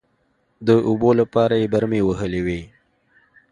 د اوبو لپاره يې برمې وهلې وې.